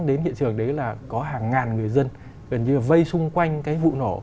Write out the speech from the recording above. đến hiện trường đấy là có hàng ngàn người dân gần như vây xung quanh cái vụ nổ